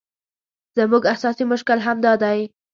زموږ اساسي مشکل همدا دی.